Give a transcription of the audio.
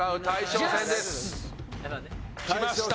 きました！